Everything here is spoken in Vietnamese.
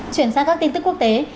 chuyển sang các tin tức quốc tế